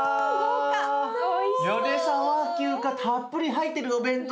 米沢牛がたっぷり入ってるお弁当。